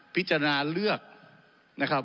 พิจารณาเลือกนะครับ